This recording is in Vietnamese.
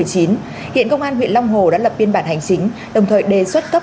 hiện công an huyện long hồ đã lập biên bản hành chính đồng thời đề xuất cấp